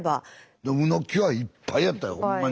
うのきはいっぱいやったよほんまに。